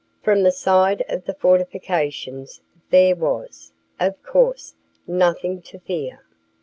From the side of the fortifications there was, of course, nothing to fear.